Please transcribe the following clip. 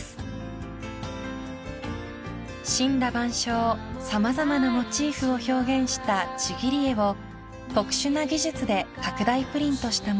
［森羅万象様々なモチーフを表現したちぎり絵を特殊な技術で拡大プリントしたもの］